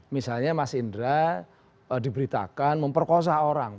misalnya mas indra diberitakan memperkosa orang